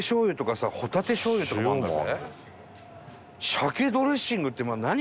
鮭ドレッシングって何？